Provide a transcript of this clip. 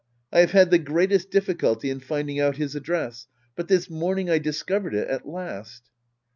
I have had the greatest difficulty in finding out his address. But this morning I discovered it at last.